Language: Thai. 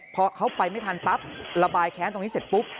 พอเขาไปไม่ทันปั๊บระบายแค้นตรงนี้เสร็จปุ๊บ